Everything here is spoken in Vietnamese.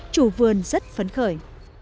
chủ vườn rất phấn khởi